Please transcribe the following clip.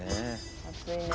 暑いね。